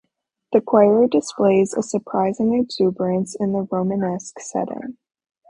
The choir displays a surprising exuberance in this Romanesque setting.